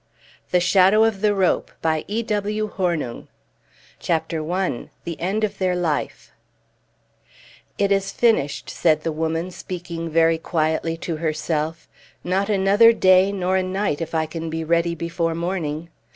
The Shadow of the Rope CHAPTER I THE END OF THEIR LIFE "It is finished," said the woman, speaking very quietly to herself. "Not another day, nor a night, if I can be ready before morning!"